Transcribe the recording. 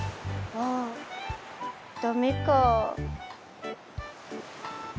あっダメか。